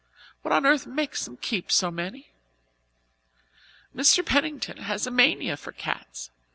What on earth makes them keep so many?" "Mr. Pennington has a mania for cats.